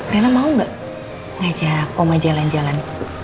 rena mau gak ngajak oma jalan jalan